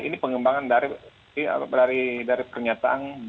ini pengembangan dari pernyataan